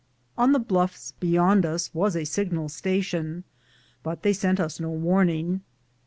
On the bluffs beyond us was a signal station, but they sent us no warning.